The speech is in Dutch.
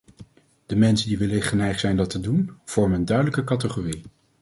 De mensen die wellicht geneigd zijn dat te doen, vormen een duidelijke categorie.